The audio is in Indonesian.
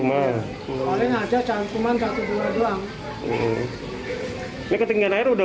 ada yang belakang